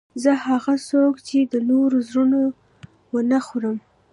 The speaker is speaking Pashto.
زه هڅه کوم، چي د نورو زړونه و نه خورم.